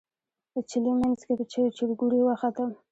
د چلې منځ کې په چورګوړي وختم.